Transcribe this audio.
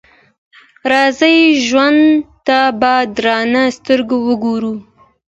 راځئ ژوند ته په درنه سترګه وګورو.